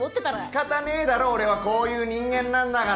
仕方ねえだろ俺はこういう人間なんだから！